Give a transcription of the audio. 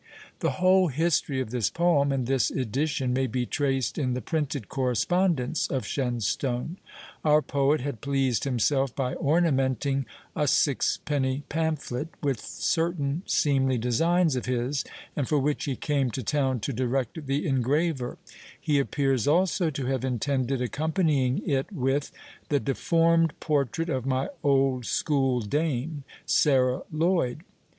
The whole history of this poem, and this edition, may be traced in the printed correspondence of Shenstone. Our poet had pleased himself by ornamenting "A sixpenny pamphlet," with certain "seemly" designs of his, and for which he came to town to direct the engraver; he appears also to have intended accompanying it with "The deformed portrait of my old school dame, Sarah Lloyd."